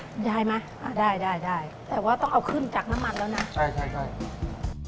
ได้ไหมอ่าได้ได้ได้แต่ว่าต้องเอาขึ้นจากน้ำมันแล้วนะใช่ใช่